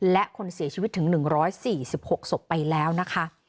และคนเสียชีวิตถึง๑๔๖ศพไปแล้วนะคะ